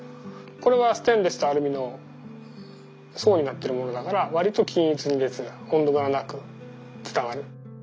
これはステンレスとアルミの層になってるものだからわりと均一に熱が温度むらなく伝わる。